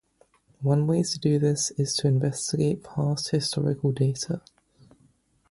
One way to do this is to investigate past historical data.